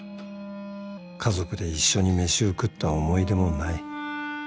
家族で一緒に飯を食った思い出もない